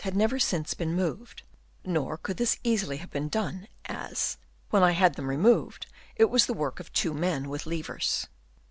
153 had never since been moved ; nor could this easily have been done, as, when I had them removed, it was the work of two men with levers.